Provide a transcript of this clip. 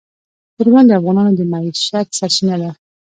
چرګان د افغانانو د معیشت سرچینه ده.